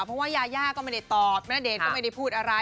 เพราะว่ายายาก็ไม่ได้ตอบณเดชน์ก็ไม่ได้พูดอะไร